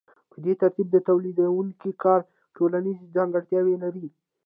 په دې ترتیب د تولیدونکي کار ټولنیزه ځانګړتیا لري